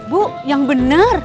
bu yang bener